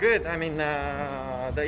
dan itu pengalaman yang bagus